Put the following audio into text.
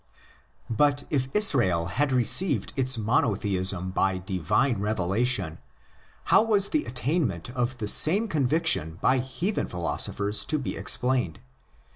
But if Israel had received its monotheism by divine revelation, how was the attainment of the same conviction by heathen philosophers to be explained?